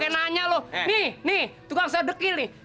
nih nih tukang sedekil nih